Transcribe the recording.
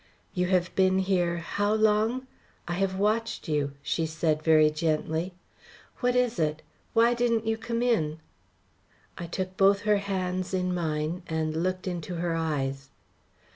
"You have been here how long? I have watched you," she said very gently. "What is it? Why didn't you come in?" I took both her hands in mine and looked into her eyes.